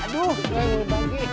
aduh aduh bagi